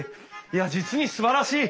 いや実にすばらしい！